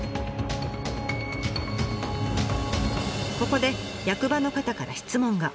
ここで役場の方から質問が。